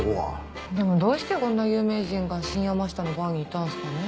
でもどうしてこんな有名人が新山下のバーにいたんすかね？